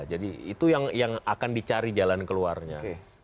jadi itu yang akan dicari jalan keluarnya